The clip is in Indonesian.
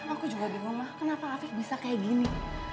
aku juga bingung mah kenapa afif bisa kayak gini